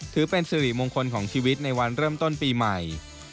ถือเป็นสิริมงคลของชีวิตในวันเริ่มต้นปีใหม่